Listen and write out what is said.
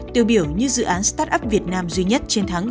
tiêu biểu như dự án startup việt nam duy nhất trên thắng